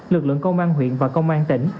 lực lượng công an huyện và công an tỉnh